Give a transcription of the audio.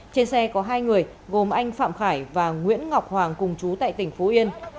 trên xe có hai người gồm anh phạm khải và nguyễn ngọc hoàng cùng chú tại tỉnh phú yên